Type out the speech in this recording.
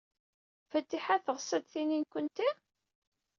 Fatiḥa teɣs ad d-tini nekkenti?